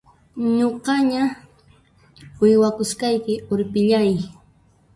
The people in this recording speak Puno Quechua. Nuqaña uywakusqayki urpillay!